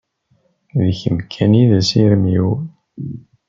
D kemm kan i d asirem-iw.